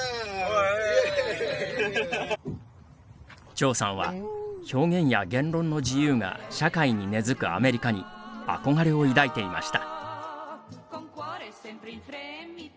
張さんは、表現や言論の自由が社会に根づくアメリカに憧れを抱いていました。